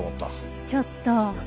ちょっと。